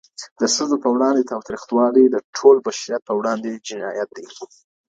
د ښځو په وړاندې تاوتریخوالی د ټول بشریت په وړاندې جنایت دی.